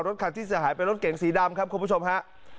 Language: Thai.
รถคันที่เสียหายเป็นรถเก๋งสีดำครับคุณผู้ชมฮะ